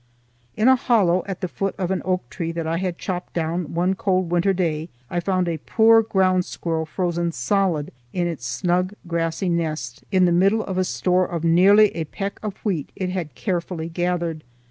In a hollow at the foot of an oak tree that I had chopped down one cold winter day, I found a poor ground squirrel frozen solid in its snug grassy nest, in the middle of a store of nearly a peck of wheat it had carefully gathered.